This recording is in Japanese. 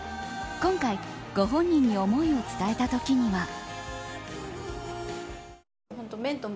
今回、ご本人に思いを伝えたときには。